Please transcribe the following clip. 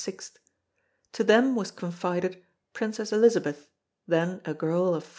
To them was confided Princess Elizabeth then a girl of 14."